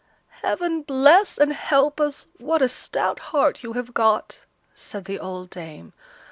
"Heaven bless and help us! what a stout heart you have got!" said the old dame.